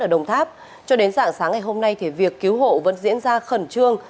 ở đồng tháp cho đến dạng sáng ngày hôm nay thì việc cứu hộ vẫn diễn ra khẩn trương